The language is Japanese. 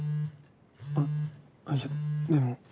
あっいやでも。